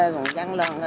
không phải là